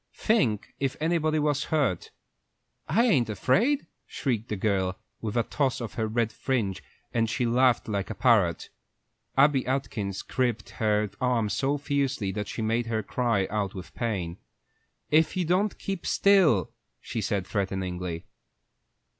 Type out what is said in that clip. Think, if anybody was hurt." "I ain't afraid," shrieked the girl, with a toss of her red fringe, and she laughed like a parrot. Abby Atkins gripped her arm so fiercely that she made her cry out with pain. "If you don't keep still!" she said, threateningly.